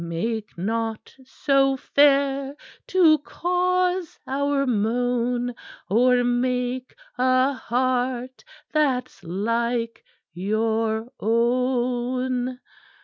Make not so fair to cause our moan, Or make a heart that's like your own."